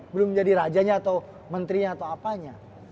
belum jadi rajanya atau menterinya atau apanya